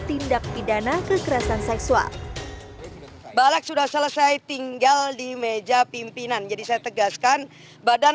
tindak pidana kekerasan seksual balek sudah selesai tinggal di meja pimpinan jadi saya tegaskan badan